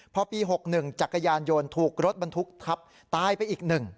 พอปี๖๑จักรยานยนต์ถูกรถบรรทุกทับตายไปอีก๑